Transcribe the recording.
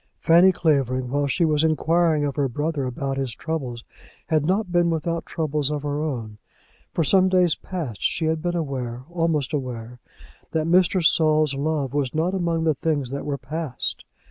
Fanny Clavering, while she was inquiring of her brother about his troubles, had not been without troubles of her own. For some days past she had been aware, almost aware, that Mr. Saul's love was not among the things that were past.